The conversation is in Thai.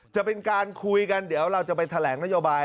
จะเป็นการคุยกันเดี๋ยวเราจะไปแถลงนโยบาย